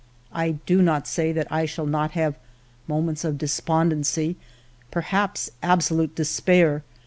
I do not say that I shall not have moments of despond ency, perhaps absolute despair.